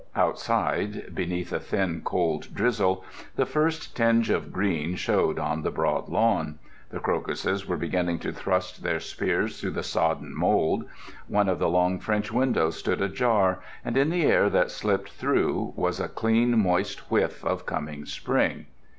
Outside, beneath a thin, cold drizzle, the first tinge of green showed on the broad lawn. The crocuses were beginning to thrust their spears through the sodden mold. One of the long French windows stood ajar, and in the air that slipped through was a clean, moist whiff of coming spring.